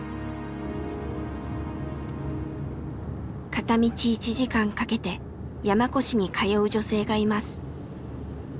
片道１時間かけて山古志に通う女性がいます。